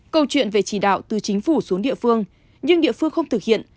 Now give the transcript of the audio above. câu chuyện về chỉ đạo từ chính phủ xuống địa phương nhưng địa phương không thực hiện